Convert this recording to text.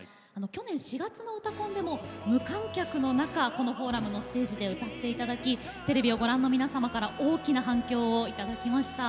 昨年４月に「うたコン」で無観客の中このフォーラムのステージで歌っていただきテレビをご覧の皆様から大きな反響をいただきました。